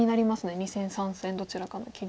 ２線３線どちらかの切り。